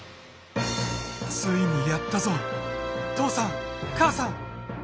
ついにやったぞ父さん母さん。